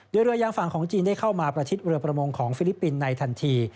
โดยเรือยางฝั่งของจีนได้เข้ามาประชิดเรือประมงของฟิลิปปินส์ในทันที